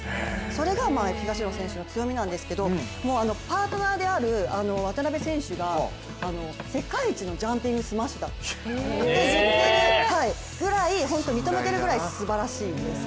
それが東野選手の強みなんですけどパートナーである渡辺選手が世界一のジャンピングスマッシュだと本当に認めているくらいすばらしいんです。